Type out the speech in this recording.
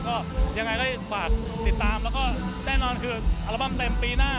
ก็ยังไงก็ฝากติดตามแล้วก็แน่นอนคืออัลบั้มเต็มปีหน้า